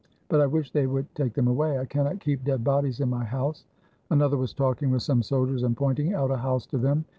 But I wish they would take them away; I cannot keep dead bodies in my house." Another was talking with some soldiers, and pointing out a house to them.